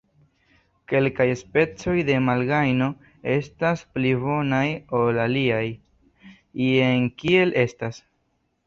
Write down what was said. Kelkaj specoj de malgajno estas pli bonaj ol aliaj, jen kiel estas.